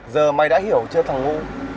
giờ mày đã hiểu chưa thằng ngũ